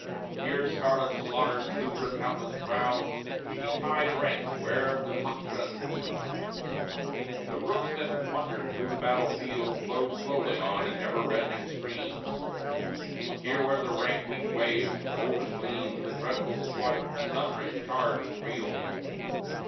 Here scarlet Slaughter slew her countless crowds Heaped high in ranks where'er the hot guns pealed. The brooks that wandered through the battlefield Flowed slowly on in ever reddening streams; Here where the rank wheat waves and golden gleams, The dreadful squadrons, thundering, charged and reeled.